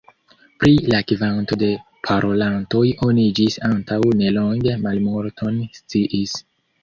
Pri la kvanto de parolantoj oni ĝis antaŭ nelonge malmulton sciis.